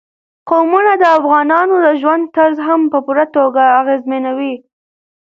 قومونه د افغانانو د ژوند طرز هم په پوره توګه اغېزمنوي.